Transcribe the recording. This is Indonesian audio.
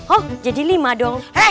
oh jadi lima dong